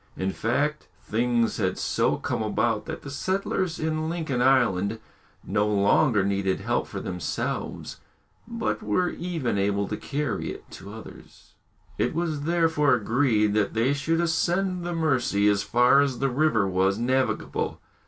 In fact, things had so come about that the settlers in Lincoln Island no longer needed help for themselves, but were even able to carry it to others. It was therefore agreed that they should ascend the Mercy as far as the river was navigable.